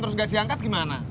terus gak diangkat gimana